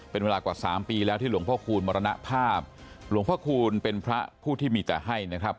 เป็นเวลากว่าสามปีแล้วที่หลวงพ่อคูณมรณภาพหลวงพ่อคูณเป็นพระผู้ที่มีแต่ให้นะครับ